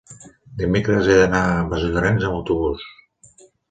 dimecres he d'anar a Masllorenç amb autobús.